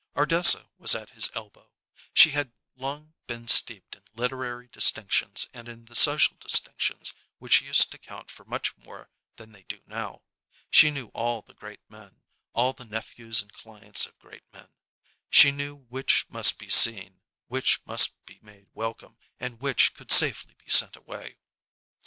Ardessa was at his elbow. She had long been steeped in literary distinctions and in the social distinctions which used to count for much more than they do now. She knew all the great men, all the nephews and clients of great men. She knew which must be seen, which must be made welcome, and which could safely be sent away.